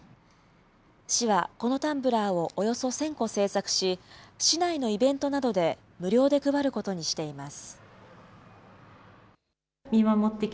市はこのタンブラーをおよそ１０００個製作し、市内のイベントなどで無料で配ることにしています。